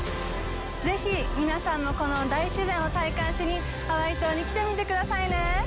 ぜひ皆さんもこの大自然を体感しにハワイ島に来てみてくださいね！